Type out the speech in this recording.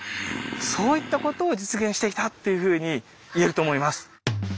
そういったことを実現していたというふうに言えると思います。